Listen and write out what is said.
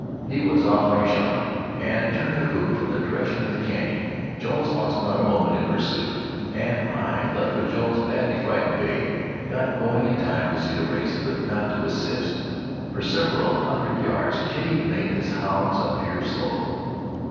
He was off like a shot and turned the cougar from the direction of the canyon. Jones lost not a moment in pursuit, and I, left with Jones's badly frightened bay, got going in time to see the race, but not to assist. For several hundred yards Kitty made the hounds appear slow.